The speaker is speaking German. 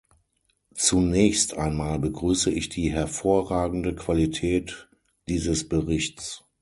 Zunächst einmal begrüße ich die hervorragende Qualität dieses Berichts.